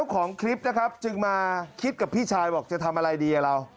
ของคลิปนะครับจึงมาคิดกับพี่ชายบอกจะทำอะไรดีเรา